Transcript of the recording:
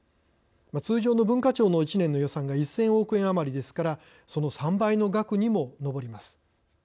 通常の文化庁の１年の予算が１０００億円余りですからその３倍の額にも上ります。